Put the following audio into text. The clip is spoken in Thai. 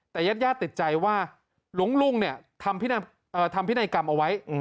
แต่ญาติยาติติดใจว่าหลวงทำพินัยกรรมเอาไว้